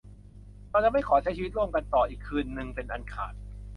เราจะไม่ขอใช้ชีวิตร่วมกันต่ออีกคืนนึงเป็นอันขาด